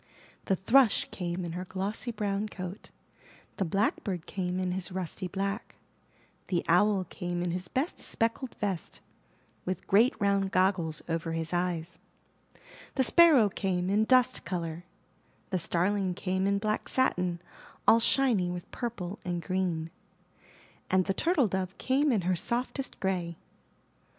The Thrush came in her glossy brown coat; The Blackbird came in his rusty black; The Owl came in his best speckled vest, with great round goggles over his eyes; The Sparrow came in dust color; The Starling came in black satin, all shiny with purple and green; and The Turtle Dove came in her softest gray.